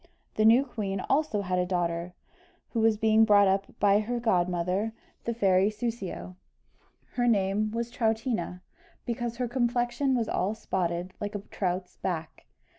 The new queen also had a daughter, who was being brought up by her godmother, the fairy Soussio her name was Troutina, because her complexion was all spotted like a trout's back.